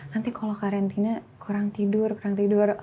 nanti kalau karantina kurang tidur kurang tidur